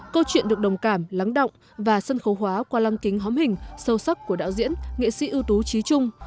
câu chuyện được đồng cảm lắng động và sân khấu hóa qua lăng kính hóm hình sâu sắc của đạo diễn nghệ sĩ ưu tú trí trung